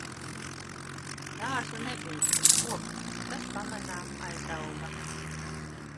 Dārzu nebija, kas kopj un tas pamazām aizauga